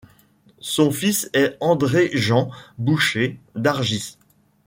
Son fils est André-Jean Boucher d'Argis.